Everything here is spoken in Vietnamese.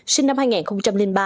sinh năm hai nghìn ba